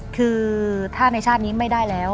คือถ้าในชาตินี้ไม่ได้แล้ว